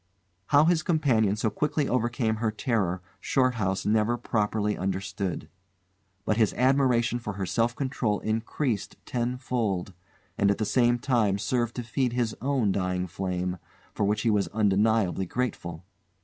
How his companion so quickly overcame her terror, Shorthouse never properly understood; but his admiration for her self control increased tenfold, and at the same time served to feed his own dying flame for which he was undeniably grateful.